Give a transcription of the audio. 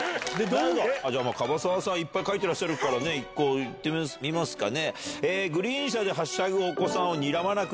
じゃあ加羽沢さんいっぱい書いてらっしゃるから１個いってみますかね。